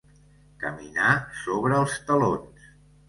Caminar sobre els talons.